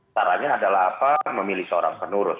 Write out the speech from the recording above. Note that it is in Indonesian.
caranya adalah apa memilih seorang penurus